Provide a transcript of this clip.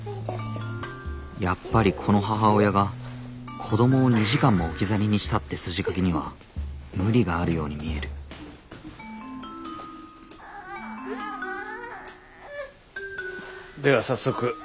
やっぱりこの母親が子供を２時間も置き去りにしたって筋書きには無理があるように見えるでは早速よろしいですか。